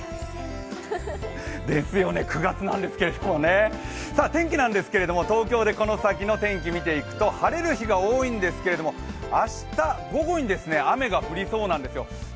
ですよね、９月なんですけれどもね。天気なんですけども、東京でこの先の天気を見ていくと晴れる日が多いんですけれども、明日午後に雨が降りそうなんですよ。